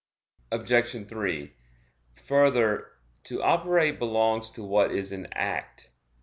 Obj. 3: Further, to operate belongs to what is in act.